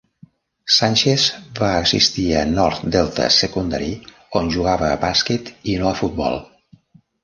Sanchez va assistir a North Delta Secondary, on jugava a bàsquet i no a futbol.